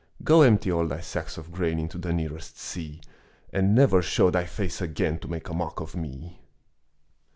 "Go empty all thy sacks of grain Into the nearest sea, And never show thy face again To make a mock of me."